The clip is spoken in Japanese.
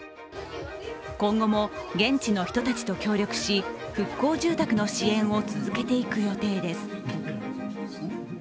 今後も現地の人たちと協力し復興住宅の支援を続けていく予定です。